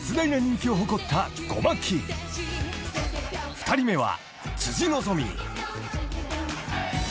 ［２人目は］